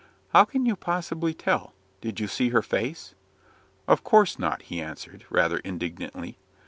"How can you possibly tell? Did you see her face?" "Of course not," he answered, rather indignantly.